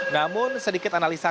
namun sedikit analisakan